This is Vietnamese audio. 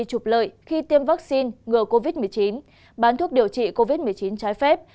trục lợi khi tiêm vaccine ngừa covid một mươi chín bán thuốc điều trị covid một mươi chín trái phép